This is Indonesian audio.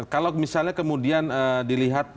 kalau misalnya kemudian dilihat